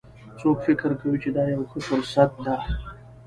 څوک فکر کوي چې دا یوه ښه فرصت ده